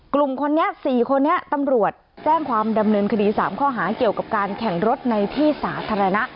กลุ่มคนนี้๔คนนี้ตำรวจแจ้งความดำเนินคดี๓ข้อหาเกี่ยวกับการแข่งรถในที่สาธารณะ